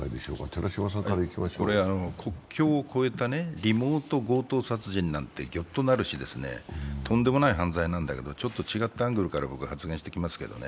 国境を越えたリモート強盗殺人なんていう、ギョッとなるし、とんでもない犯罪なんだけどちょっと違ったアングルから僕は発言していきますけれどもね。